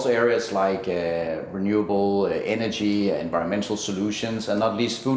oke jadi ketika anda membicarakan teknologi penyelenggaraan